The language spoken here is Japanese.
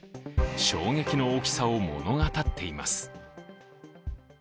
衝撃の大きさを物語っています。